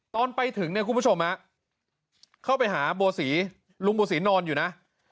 ตอนไปถึงเนี่ยคุณผู้ชมฮะเข้าไปหาบัวศรีลุงบัวศรีนอนอยู่นะ